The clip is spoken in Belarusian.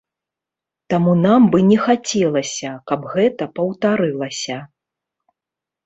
Таму нам бы не хацелася, каб гэта паўтарылася.